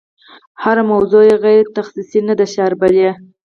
هره موضوع یې غیر تخصصي نه ده شاربلې.